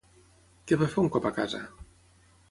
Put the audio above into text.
Què va fer un cop a casa?